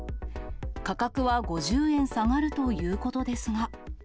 価格は５０円下がるということですが。